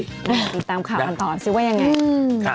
ติดตามข่าวกันต่อสิว่ายังไง